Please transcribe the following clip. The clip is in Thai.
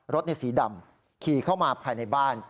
รถสีดำขี่เข้ามาภายในบ้าน